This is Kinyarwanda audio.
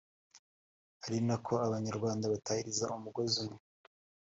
ari na ko abanyarwanda batahiriza umugozi umwe